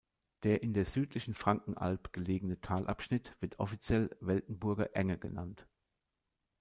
Der in der südlichen Frankenalb gelegene Talabschnitt wird offiziell Weltenburger Enge genannt.